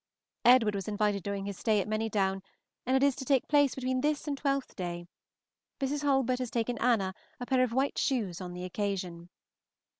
Edward was invited during his stay at Manydown, and it is to take place between this and Twelfth day. Mrs. Hulbert has taken Anna a pair of white shoes on the occasion.